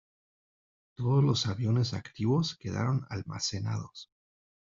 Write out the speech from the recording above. Todos los aviones activos quedaron almacenados.